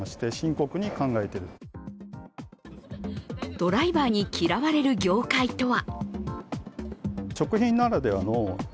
ドライバーに嫌われる業界とは。